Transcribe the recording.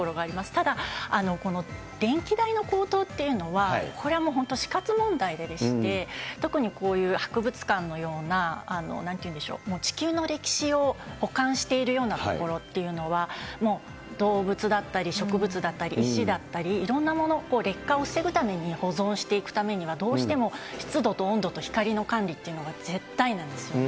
ただ、この電気代の高騰というのは、これはもう本当死活問題でして、特にこういう博物館のような、なんていうんでしょう、地球の歴史を保管しているようなところっていうのは、もう動物だったり、植物だったり、石だったり、いろんなもの、劣化を防ぐために保存していくためには、どうしても湿度と温度と光の管理っていうのが絶対なんですよね。